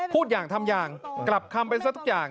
พูดอย่างทำอย่างกลับคำไปซะทุกอย่าง